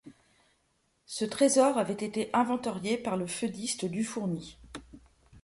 Ce Trésor avait été inventorié par le feudiste Dufourny.